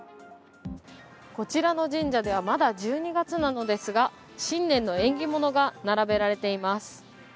こちらの神社ではまだ１２月なのですが、新年の縁起物が並べられています。